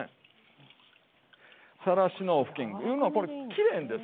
さらしの布巾いうのはこれきれいのですよ。